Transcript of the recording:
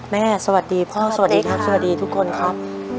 สวัสดีพ่อสวัสดีครับสวัสดีทุกคนครับ